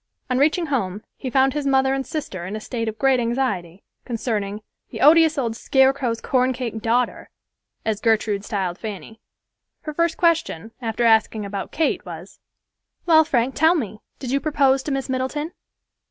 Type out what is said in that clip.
On reaching home he found his mother and sister in a state of great anxiety concerning "the odious old scarecrow's corncake daughter," as Gertrude styled Fanny. Her first question, after asking about Kate, was, "Well, Frank, tell me, did you propose to Miss Middleton?"